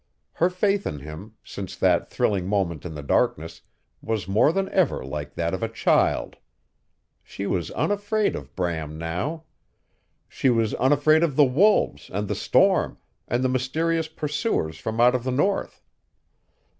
Her faith in him, since that thrilling moment in the darkness, was more than ever like that of a child. She was unafraid of Bram now. She was unafraid of the wolves and the storm and the mysterious pursuers from out of the north.